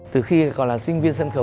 từ khi gọi là sinh viên sân khấu